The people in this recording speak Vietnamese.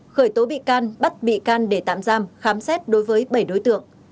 khởi tố bị can bắt bị can để tạm giam khám xét đối với bảy đối tượng